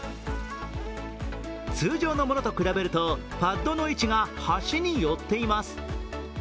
通常のものと比べると、パットの位置が端に寄っています。